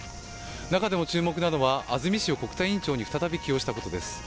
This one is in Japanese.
中でも注目なのは安住氏を国対委員長に再び起用したことです。